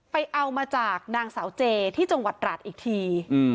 เอามาจากนางสาวเจที่จังหวัดราชอีกที